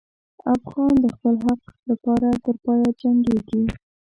افغان د خپل حق لپاره تر پایه جنګېږي.